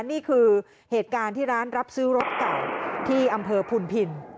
นี่คือเหตุการณ์ที่ร้านรับซื้อรถเก่าที่อำเภอพุนพิน